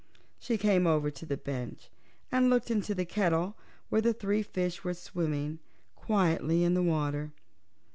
She came over to the bench and looked into the kettle, where the three fishes were swimming quietly in the water.